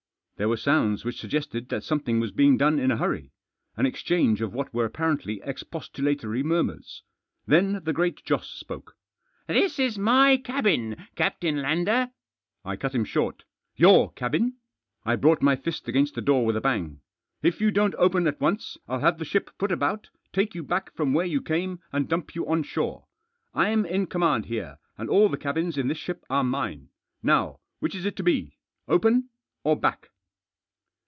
There were sounds which suggested that something was being done in a hurry ; an exchange of what were apparently expostulatory murmurs. Then the Great Joss spoke. " This is my cabin, Captain Lander " I cut him short " Your cabin !" I brought my fist against the door with a bang. " If you don't open at once, I'll have the ship put about, take you back from where you came, and dump you on shore. I'm in command here, and all the cabins in this ship are mine. Now, which is it to be — open ?— or back